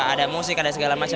ada musik ada segala macam